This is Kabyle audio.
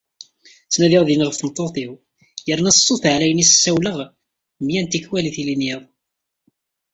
Ttnadiɣ din ɣef tmeṭṭut-iw, yerna s ṣṣut εlayen i s-ssawleɣ mya n tikwal i tili n yiḍ.